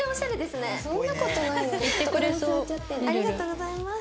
ありがとうございます。